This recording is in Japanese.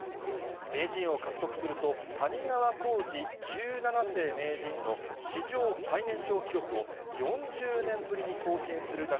名人を獲得すると、谷川浩司十七世名人の史上最年少記録を、４０年ぶりに更新するだ